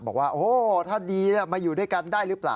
บอกว่าโอ้ถ้าดีมาอยู่ด้วยกันได้หรือเปล่า